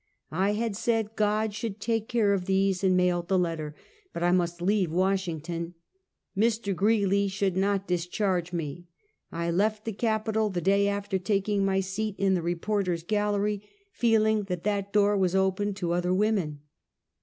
I bad said God sbould take care of tbese, and mailed tbe letter, but I must leave Washington. Mr. Greeley should not discharge me. I left the capitol the day after taking my seat in the reporter's gallery, feeling that that door was open to other women.